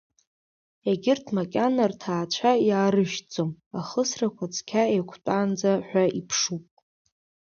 Егьырҭ макьана рҭаацәа иаарышьҭӡом, ахысрақәа цқьа еиқәтәаанӡа ҳәа иԥшуп.